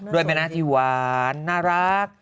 ด้วยเป็นหน้าที่หวานน่ารัก